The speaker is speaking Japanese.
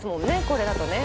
これだとね。